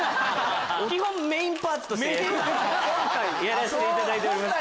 やらせていただいております。